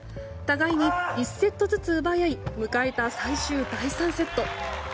互いに１セットずつ奪い合い迎えた最終第３セット。